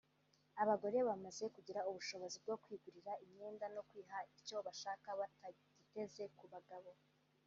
Abagore bamaze kugira ubushobozi bwo kwigurira imyenda no kwiha icyo bashaka batagiteze ku bagabo